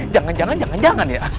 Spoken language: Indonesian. jangan jangan jangan ya